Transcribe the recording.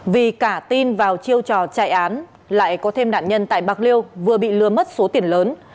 vì cả tin vào chiêu trò chạy án lại có thêm nạn nhân tại bạc liêu vừa bị lừa mất số tiền lớn